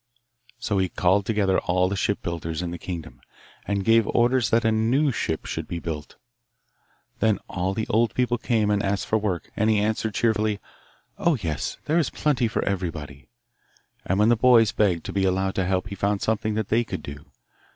So he called together all the shipbuilders in the kingdom, and gave orders that a new ship should be built. Then all the old people came and asked for work, and he answered cheerfully, 'Oh, yes, there is plenty for everybody;' and when the boys begged to be allowed to help he found something that they could do.